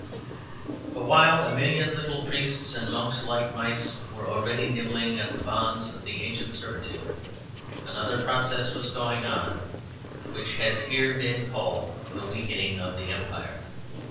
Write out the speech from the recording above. But while a million little priests and monks like mice were already nibbling at the bonds of the ancient servitude, another process was going on, which has here been called the weakening of the Empire.